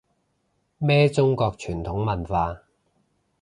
咩中國傳統文化